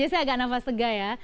saya agak nafas sega ya